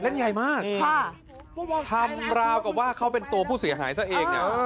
ทำราวกับว่าเขาเป็นตัวผู้เสียหายซะเอกเนี่ย